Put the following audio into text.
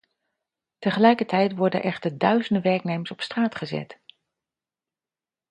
Tegelijkertijd worden echter duizenden werknemers op straat gezet.